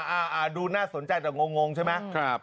อ่าดูน่าสนใจแต่งงงใช่ไหม